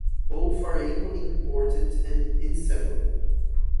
Both are equally important and inseparable.